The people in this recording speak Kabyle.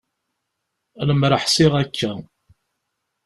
Lemmer ḥṣiɣ akka.